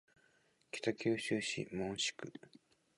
北九州市門司区